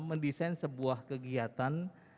mendesain sebuah kegiatan